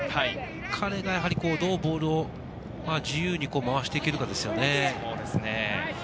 彼が、どうボールを自由に回していけるかですね。